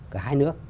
của hai nước